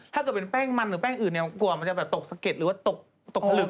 ถ้าเกิดเป็นแป้งมันหรือแป้งอื่นเนี่ยกลัวมันจะแบบตกสะเก็ดหรือว่าตกผลึก